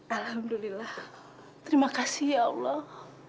alhamdulillah terima kasih ya allah